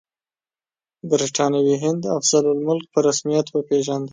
برټانوي هند افضل الملک په رسمیت وپېژانده.